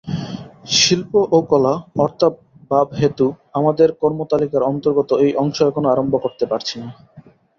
শিল্প ও কলা অর্থাভাবহেতু আমাদের কর্মতালিকার অন্তর্গত এই অংশ এখনও আরম্ভ করতে পারছি না।